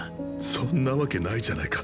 そんなわけないじゃないか。